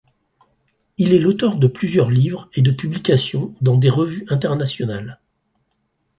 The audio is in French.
Il est l'auteur de plusieurs livres et de publications dans des revues internationales.